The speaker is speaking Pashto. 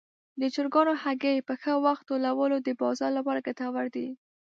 د چرګانو هګۍ په ښه وخت ټولول د بازار لپاره ګټور دي.